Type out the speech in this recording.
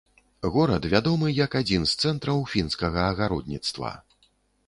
Горад вядомы як адзін з цэнтраў фінскага агародніцтва.